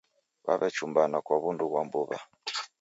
W'aw'echumbana kwa wundu ghwa mbuw'a